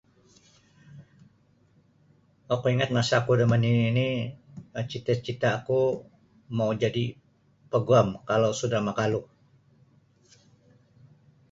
Oku ingat masa oku damanini' cita-cita'ku mau jadi' paguam kalau sudah makalu.